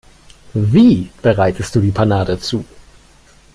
Wie bereitest du die Panade zu?